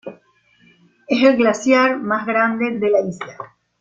Es el glaciar más grande la isla.